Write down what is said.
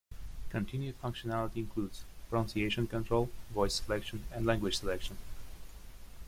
Continued Functionality Includes: Pronunciation Control, Voice Selection and Language Selection.